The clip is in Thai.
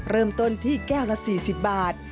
เริ่มต้นที่แก้วละ๔๐บาท